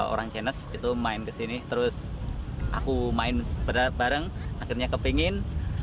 orang chinese itu main kesini terus aku main bareng akhirnya kepingin